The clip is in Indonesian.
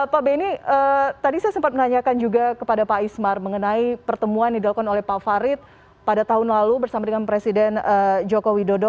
pak benny tadi saya sempat menanyakan juga kepada pak ismar mengenai pertemuan yang dilakukan oleh pak farid pada tahun lalu bersama dengan presiden joko widodo